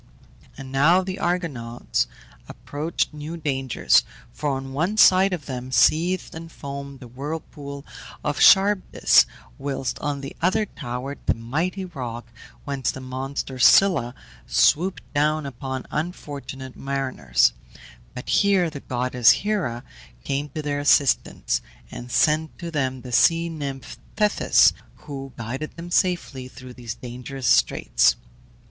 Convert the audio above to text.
And now the Argonauts approached new dangers, for on one side of them seethed and foamed the whirlpool of Charybdis, whilst on the other towered the mighty rock whence the monster Scylla swooped down upon unfortunate mariners; but here the goddess Hera came to their assistance, and sent to them the sea nymph Thetis, who guided them safely through these dangerous straits.